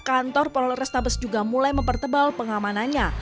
kantor polres tabes juga mulai mempertebal pengamanannya